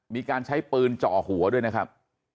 มีการใช้ปืนจ่อหัวด้วยนะครับ